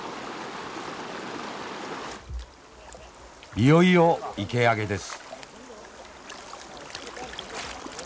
いよいよ池上げです。